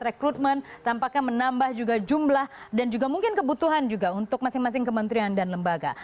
rekrutmen tampaknya menambah juga jumlah dan juga mungkin kebutuhan juga untuk masing masing kementerian dan lembaga